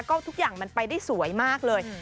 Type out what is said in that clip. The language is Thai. ก็ทุกอย่างมันไปได้สวยมากเลย